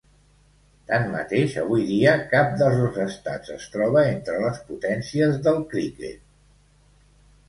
Tanmateix, avui dia, cap dels dos estats es troba entre les potències del criquet.